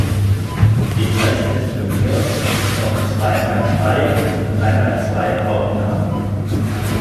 Den Rest des Turniers noch zweimal drei und dreimal zwei Aufnahmen.